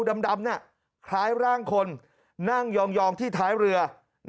ดำคล้ายร่างคนนั่งยองที่ท้ายเรือ